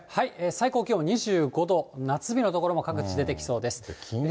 最高気温２５度、夏日の所も各地出てきそうです。